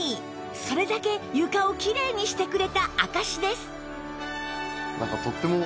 それだけ床をきれいにしてくれた証しです